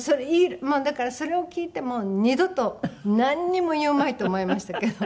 もうだからそれを聞いてもう二度となんにも言うまいと思いましたけど。